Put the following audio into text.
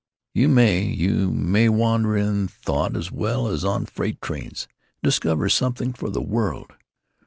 You may, you may wander in thought as well as on freight trains, and discover something for the world.